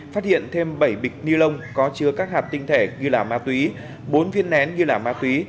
phát hiện thêm bảy bịch ni lông có chứa các hạt tinh thể ghi là ma túy bốn viên nén nghi là ma túy